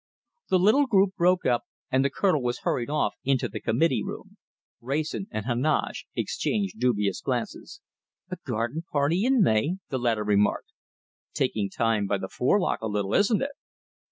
The little group broke up, and the Colonel was hurried off into the Committee Room. Wrayson and Heneage exchanged dubious glances. "A garden party in May!" the latter remarked. "Taking time by the forelock a little, isn't it?"